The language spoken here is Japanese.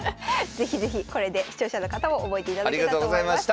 是非是非これで視聴者の方も覚えていただけたと思います。